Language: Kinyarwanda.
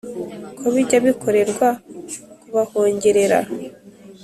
ko bijya bikorerwa kubahongerera